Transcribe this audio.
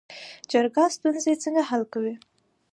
جرګه ستونزې څنګه حل کوي؟